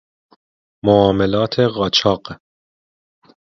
معاملات قاچاق